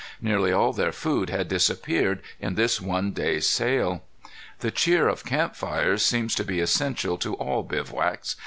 Nearly all their food had disappeared in this one day's sail. The cheer of camp fires seems to be essential to all bivouacs.